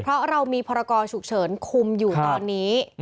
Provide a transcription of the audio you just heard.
เพราะเรามีพรกรฉุกเฉินคุมอยู่ตอนนี้